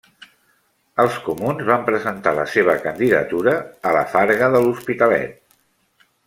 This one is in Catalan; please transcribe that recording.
Els comuns van presentar la seva candidatura a la Farga de l'Hospitalet.